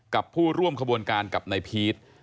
กับผู้ร่วมขบวนการกับนายพีช